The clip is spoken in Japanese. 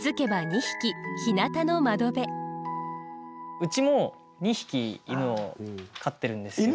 うちも２匹犬を飼ってるんですけど。